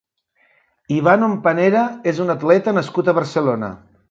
Iván Hompanera és un atleta nascut a Barcelona.